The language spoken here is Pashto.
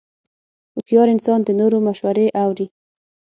هوښیار انسان د نورو مشورې اوري.